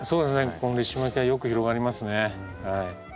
このリシマキアはよく広がりますね。